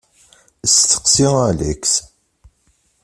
Steqsi Alex.